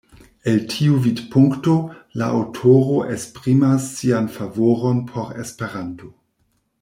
El tiu vidpunkto, la aŭtoro esprimas sian favoron por Esperanto.